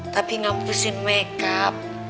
tapi ngapusin makeup